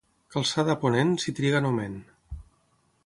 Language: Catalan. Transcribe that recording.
Calçada a ponent, si triga, no ment.